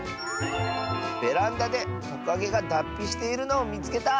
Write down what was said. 「ベランダでトカゲがだっぴしているのをみつけた！」。